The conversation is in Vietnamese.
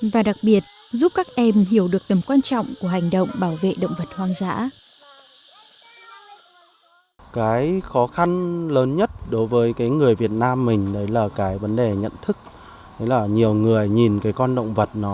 và đặc biệt giúp các em hiểu được tầm quan trọng của hành động bảo vệ động vật hoang dã